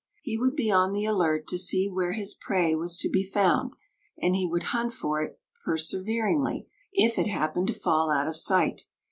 He would be on the alert to see where his prey was to be found, and he would hunt for it perseveringly if it happened to fall out of sight.